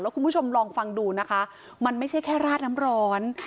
คุณผู้ชมลองฟังดูนะคะมันไม่ใช่แค่ราดน้ำร้อน